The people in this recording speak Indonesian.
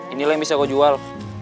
inilah yang bisa gue jual